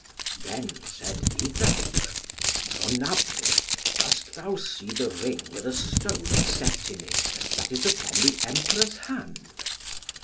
Then said Iddawc, "Rhonabwy, dost thou see the ring with a stone set in it, that is upon the Emperor's hand?"